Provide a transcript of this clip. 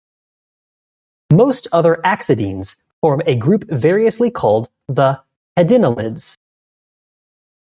Most other axodines form a group variously called the pedinellids.